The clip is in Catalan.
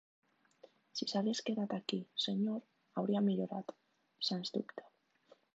Si s'hagués quedat aquí, senyor, hauria millorat, sens dubte.